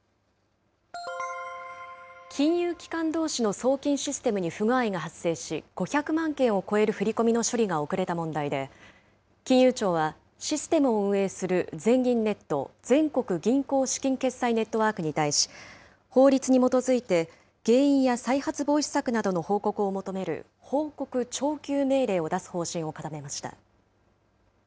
金融機関どうしの送金システムに不具合が発生し、５００万件を超える振り込みの処理が遅れた問題で、金融庁はシステムを運営する、全銀ネット・全国銀行資金決済ネットワークに対し、法律に基づいて、原因や再発防止策などの報告を求める報告徴求命令を出す方針を固めました。